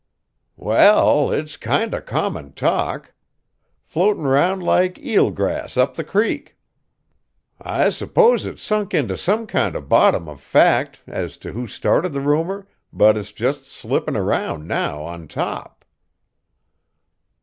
"Well, it's kind o' common talk. Floatin' round like eelgrass up the creek. I s'pose it's sunk int' some kind of bottom of fact, as t' who started the rumor, but it's jest slippin' around now, on top."